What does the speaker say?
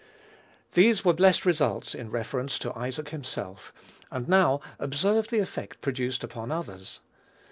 These were blessed results in reference to Isaac himself; and now observe the effect produced upon others.